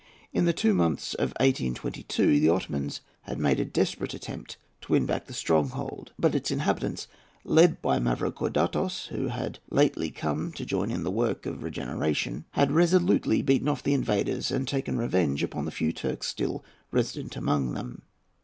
In the last two months of 1822 the Ottomans had made a desperate attempt to win back the stronghold; but its inhabitants, led by Mavrocordatos, who had lately come to join in the work of regeneration, had resolutely beaten off the invaders and taken revenge upon the few Turks still resident among them.